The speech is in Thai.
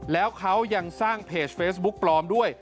แล้วเขายังสร้างเพจเฟซบุ๊กปลอมด้วย